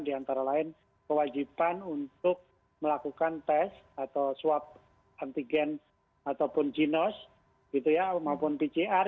di antara lain kewajiban untuk melakukan tes atau swab antigen ataupun ginos maupun pcr